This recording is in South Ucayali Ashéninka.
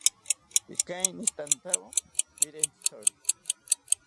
Pikeinishitantawo pirentzitori